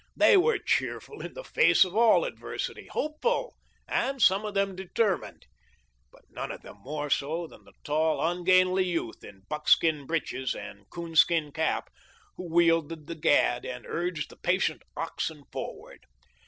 They were cheerful in the face of all adversity, hopeful, and some of them determined; but none of them more so than the tall, ungainly youth in buckskin breeches and coon skin cap who 68 THE LIFE OF LINCOLN. wielded the gad and urged the patient oxen for ward.